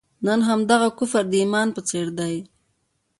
نن همدغه کفر د ایمان په څېر دی.